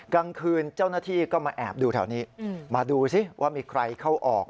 กลางคืนเจ้าหน้าที่ก็มาแอบดูแถวนี้มาดูสิว่ามีใครเข้าออก